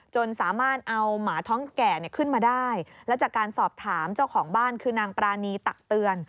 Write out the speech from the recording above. จนสามารถเอาหมาท้องแก่ขึ้นมาได้และจากการสอบถามเจ้าของบ้านคือนางปรานีตักเตือน